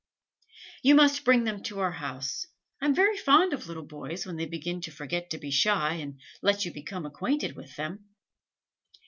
"You must bring them to our house. I am very fond of little boys, when they begin to forget to be shy, and let you become acquainted with them."